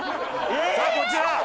こちら